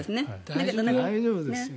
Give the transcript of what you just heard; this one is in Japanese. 大丈夫ですよ。